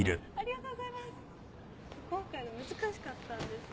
今回の難しかったんですよ。